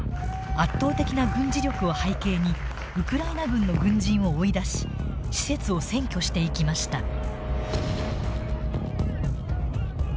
圧倒的な軍事力を背景にウクライナ軍の軍人を追い出し施設を占拠していきました。